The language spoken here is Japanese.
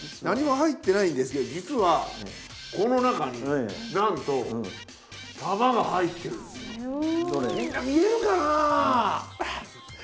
何も入ってないんですけど実はこの中になんと玉が入ってるんですよ。